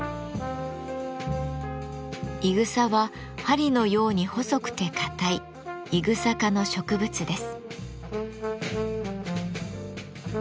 いぐさは針のように細くて硬いイグサ科の植物です。